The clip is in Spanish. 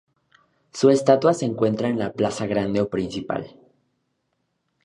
Su estatua se encuentra en la Plaza Grande o principal.